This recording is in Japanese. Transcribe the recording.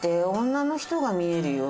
女の人が見えるよ。